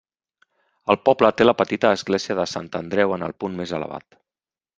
El poble té la petita església de Sant Andreu en el punt més elevat.